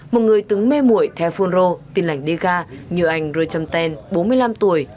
một người từng mê mội theo phun ro tiên lạch đế ga như anh roi trâm ten bốn mươi năm tuổi